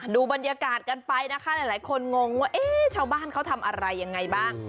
ดูบรรยากาศกันไปนะคะหลายคนงงว่าเอ๊ะชาวบ้านเขาทำอะไรยังไงบ้าง